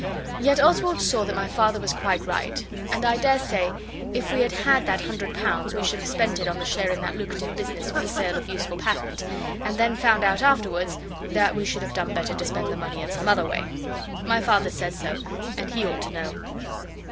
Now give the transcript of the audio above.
Yet Oswald saw that my Father was quite right; and I daresay if we had had that hundred pounds we should have spent it on the share in that lucrative business for the sale of useful patent, and then found out afterwards that we should have done better to spend the money in some other way. My Father says so, and he ought to know.